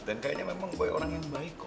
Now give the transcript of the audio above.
dan kayaknya memang boy orang yang baik kok